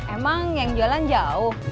emang yang jualan jauh